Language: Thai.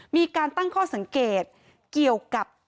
มีการตั้งข้อสังเกตเกี่ยวกับ